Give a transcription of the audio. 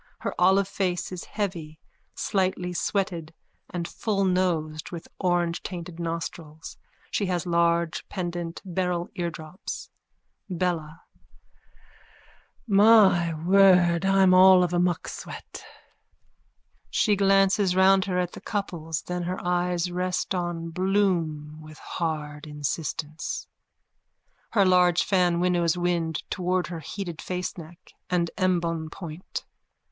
Her olive face is heavy, slightly sweated and fullnosed with orangetainted nostrils. She has large pendant beryl eardrops.)_ BELLA: My word! I'm all of a mucksweat. _(She glances round her at the couples. Then her eyes rest on Bloom with hard insistence. Her large fan winnows wind towards her heated faceneck and embonpoint.